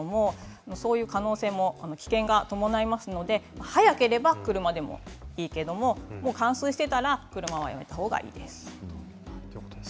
そういう可能性、危険も伴いますので早ければ車でもいいですが冠水したら車をやめたほうがいいです。